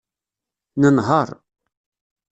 Nenheṛ.